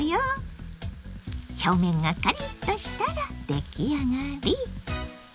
表面がカリッとしたら出来上がり。